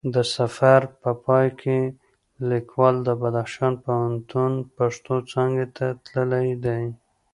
د سفر په پای کې لیکوال د بدخشان پوهنتون پښتو څانګی ته تللی دی